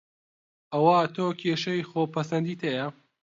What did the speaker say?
ئەوا تۆ کێشەی خۆ پەسەندیت هەیە